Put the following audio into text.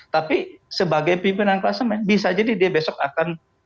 tapi sebagai pimpinan klasemen bisa jadi dia besok akan